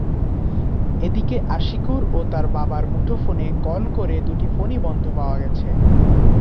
এদিকে আশিকুর ও তাঁর বাবার মুঠোফোনে কল করে দুটি ফোনই বন্ধ পাওয়া গেছে।